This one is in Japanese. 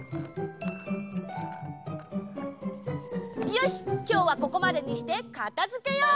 よしきょうはここまでにしてかたづけよう！